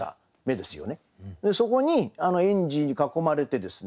でそこに園児に囲まれてですね